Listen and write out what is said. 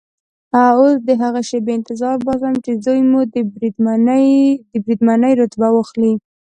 اوس د هغې شېبې انتظار باسم چې زوی مو د بریدمنۍ رتبه واخلي.